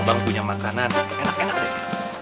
nih abang punya makanan enak enak deh